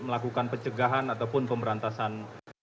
melakukan pencegahan ataupun pemberantasan